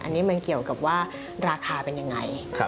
อันนี้มันเกี่ยวกับว่าราคาเป็นยังไง